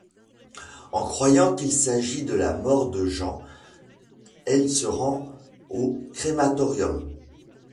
En croyant qu'il s'agit de la mort de Jan, elle se rend au crématorium.